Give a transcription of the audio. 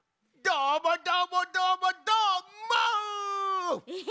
どーもどーもどーもどーも！え？